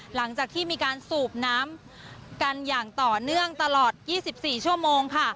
หลังจากที่มีการสูบน้ำกันอย่างต่อเนื่องตลอด๒๔ชั่วโมงค่ะ